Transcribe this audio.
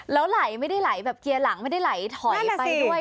แล้วไหลไม่ได้ไหลแบบเกียร์หลังไม่ได้ไหลถอยไปด้วย